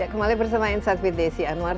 kembali bersama insight with desi anwar